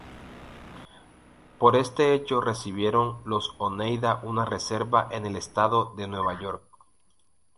Por este hecho recibieron los oneida una reserva en el estado de Nueva York.